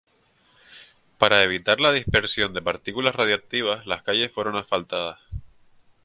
Para evitar la dispersión de partículas radiactivas las calles fueron asfaltadas.